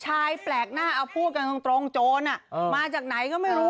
ชายแปลกหน้าเอาพูดกันตรงโจรอ่ะเหรอมาจากไหนก็ไม่รู้